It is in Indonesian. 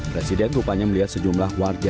presiden rupanya melihat sejumlah warga